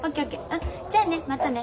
うんじゃあねまたね。